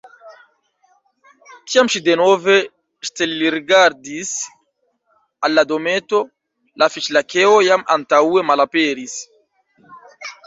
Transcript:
Kiam ŝi denove ŝtelrigardis al la dometo, la Fiŝ-Lakeo jam antaŭe malaperis.